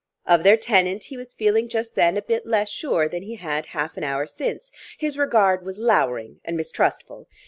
Of their tenant he was feeling just then a bit less sure than he had half an hour since; his regard was louring and mistrustful.